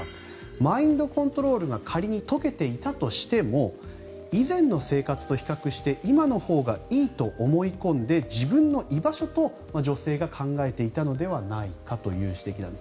マインドコントロールが仮に解けていたとしても以前の生活と比較して今のほうがいいと思い込んで自分の居場所と女性が考えていたのではないかという指摘なんです。